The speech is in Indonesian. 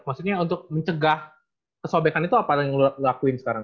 maksudnya untuk mencegah kesobekan itu apa yang lakuin sekarang